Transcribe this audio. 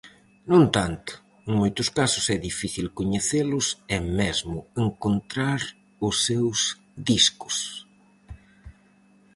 No entanto, en moitos casos é difícil coñecelos e mesmo encontrar os seus discos.